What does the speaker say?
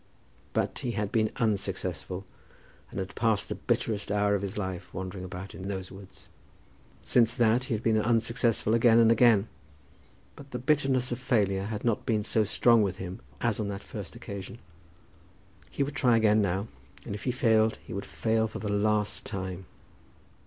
But he had been unsuccessful, and had passed the bitterest hour of his life wandering about in those woods. Since that he had been unsuccessful again and again; but the bitterness of failure had not been so strong with him as on that first occasion. He would try again now, and if he failed, he would fail for the last time.